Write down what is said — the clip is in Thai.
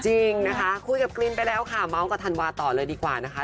จริงนะคะคุยกับกรีนไปแล้วค่ะเมาส์กับธันวาต่อเลยดีกว่านะคะ